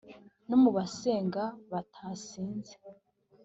no mu basenga batasinze